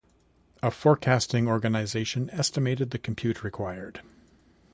A forecasting organisation estimated the compute required.